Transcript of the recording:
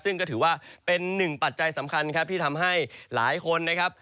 ซึ่งก็ถือว่าเป็นหนึ่งปัจจัยสำคัญครับที่ทำให้หลายคนนะครับ